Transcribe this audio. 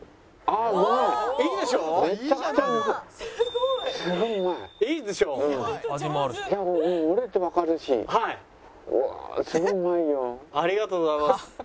ありがとうございます。